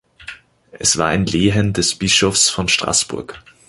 Es war ein Lehen des Bischofs von Straßburg.